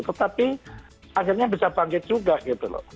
tetapi akhirnya bisa bangkit juga gitu loh